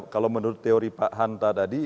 kalau menurut teori pak hanta tadi